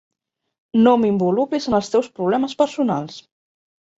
No m'involucris en els teus problemes personals.